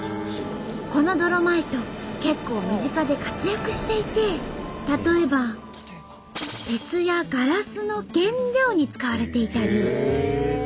このドロマイト結構身近で活躍していて例えば鉄やガラスの原料に使われていたり。